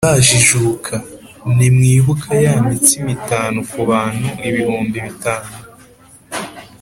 Ntimurajijuka, ntimwibuka ya mitsima itanu ku bantu ibihumbi bitanu,